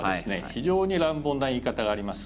非常に乱暴な言い方があります。